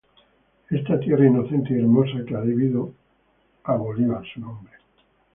Esta tierra inocente y hermosa, que a debido a Bolívar su nombre,